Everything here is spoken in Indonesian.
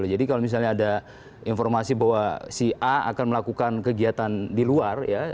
jadi kalau misalnya ada informasi bahwa si a akan melakukan kegiatan di luar ya